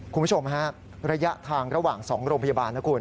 คุณผู้ชมฮะระยะทางระหว่าง๒โรงพยาบาลนะคุณ